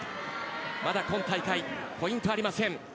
まだ今大会ポイントがありません。